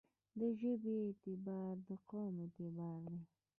دژبې اعتبار دقوم اعتبار دی.